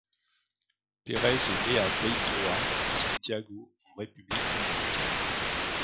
Pérez est né à Baitoa, Santiago, en République Dominicaine.